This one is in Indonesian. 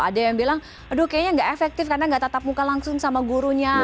ada yang bilang aduh kayaknya nggak efektif karena nggak tatap muka langsung sama gurunya